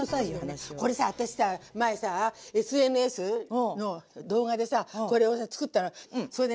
これさ私さ前さぁＳＮＳの動画でさこれをつくったらそれでね